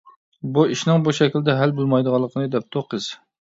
بۇ ئىشنىڭ بۇ شەكىلدە ھەل بولمايدىغانلىقىنى دەپتۇ قىز.